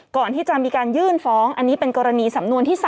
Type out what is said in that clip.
ก่อนที่จะมีการยื่นฟ้องอันนี้เป็นกรณีสำนวนที่๓